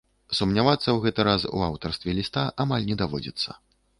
Сумнявацца ў гэты раз у аўтарстве ліста амаль не даводзіцца.